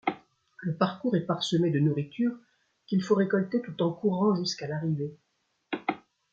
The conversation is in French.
Le parcours est parsemé de nourriture, qu'il faut récolter tout en courant jusqu'à l'arrivée.